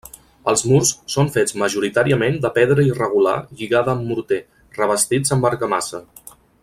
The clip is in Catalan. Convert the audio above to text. Els murs són fets majoritàriament de pedra irregular lligada amb morter, revestits amb argamassa.